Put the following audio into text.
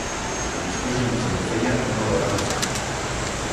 El discurs ens el feia un holograma seu.